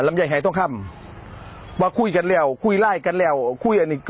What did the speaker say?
ลำไยหายทองคำว่าคุยกันแล้วคุยไล่กันแล้วคุยกันอีก